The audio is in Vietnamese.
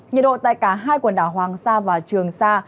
nhiệt độ tại cả hai quần đảo hoàng sa và trường sa